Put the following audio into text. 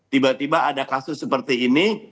tiba tiba ada kasus seperti ini